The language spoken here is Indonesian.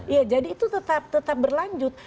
ya jadi itu tetap berlanjut